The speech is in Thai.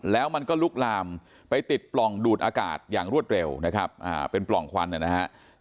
แล้วมันก็ลุกลามไปติดปล่องดูดอากาศอย่างรวดเร็วนะครับเป็นปล่องควันนะครับ